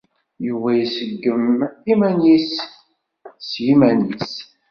Yuba iseggem iman-is s yiman-is.